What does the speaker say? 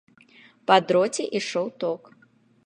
Па дроце ішоў ток.